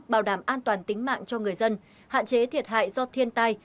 bảo đảm an toàn tính mạng cho người dân hạn chế thiệt hại do thiên tai